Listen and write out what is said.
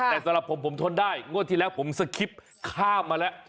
แต่สำหรับผมผมทนได้งวดที่แล้วผมสคริปต์ข้ามมาแล้ว